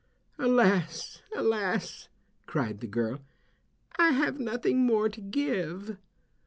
"Alas, alas!" cried the girl, "I have nothing more to give."